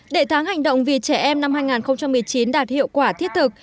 để tháng hành động vì trẻ em năm hai nghìn một mươi chín đạt hiệu quả thiết thực